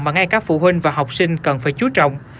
mà ngay các phụ huynh và học sinh cần phải chú trọng